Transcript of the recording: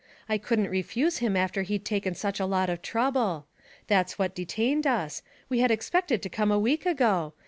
I couldn't refuse him after he'd taken such a lot of trouble. That's what detained us: we had expected to come a week ago.